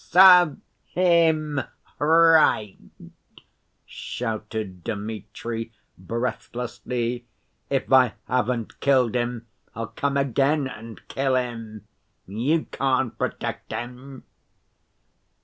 "Serve him right!" shouted Dmitri breathlessly. "If I haven't killed him, I'll come again and kill him. You can't protect him!"